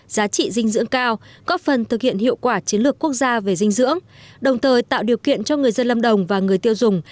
giá trị dinh dưỡng cao góp phần thực hiện hiệu quả chiến lược quốc gia về dinh dưỡng đồng thời tạo điều kiện cho người dân lâm đồng và người tiêu dùng